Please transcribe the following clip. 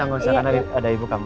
nggak usah karena ada ibu kamu